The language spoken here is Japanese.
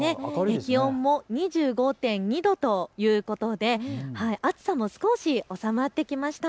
気温も２５．２度ということで暑さも少しおさまってきました。